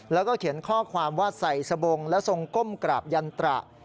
แล้วก็เขียนข้อความว่าใส่สบงและทรงก้มกราบยันตระ